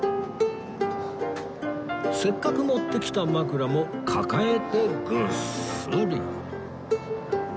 せっかく持ってきた枕も抱えてぐっすり